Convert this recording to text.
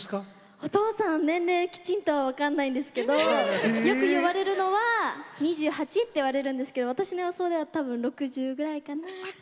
お父さん年齢きちんとは分かんないんですけどよく言われるのは２８って言われるんですけど私の予想では多分６０ぐらいかなって。